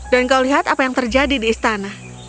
dan kau lihat apa yang terjadi di istana